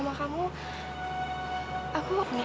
nis gak pernah ada yang sempurna di dunia